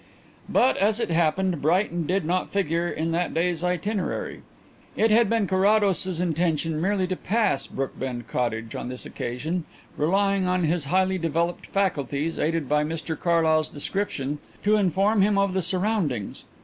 But, as it happened, Brighton did not figure in that day's itinerary. It had been Carrados's intention merely to pass Brookbend Cottage on this occasion, relying on his highly developed faculties, aided by Mr Carlyle's description, to inform him of the surroundings.